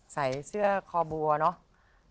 ใส่เสื้อคอบัวเนาะ